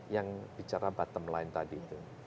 yang bicara bottom line tadi itu